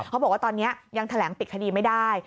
เขาบอกว่าตอนนี้ยังแถลงปิดคดีไม่ได้